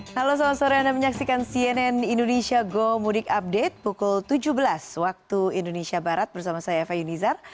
halo selamat sore anda menyaksikan cnn indonesia go mudik update pukul tujuh belas waktu indonesia barat bersama saya eva yunizar